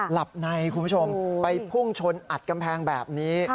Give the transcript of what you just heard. หลับในคุณผู้ชมไปพุ่งชนอัดกำแพงแบบนี้